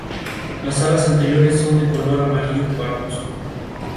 Esta disposición les permite sujetar y cortar alimentos demasiado grandes para tragar.